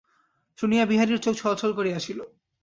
শুনিয়া বিহারীর চোখ ছলছল করিয়া আসিল।